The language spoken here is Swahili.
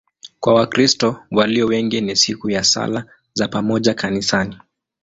Kwa Wakristo walio wengi ni siku ya sala za pamoja kanisani.